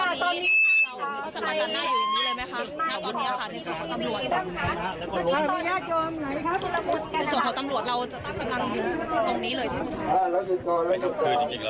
ในส่วนของตำรวจเราจะต้องกำลังอยู่ตรงนี้เลยใช่ไหมครับ